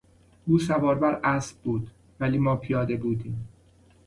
او سوار بر اسب بود ولی ما پیاده بودیم.